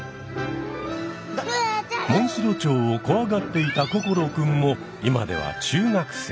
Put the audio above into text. モンシロチョウをこわがっていた心くんも今では中学生。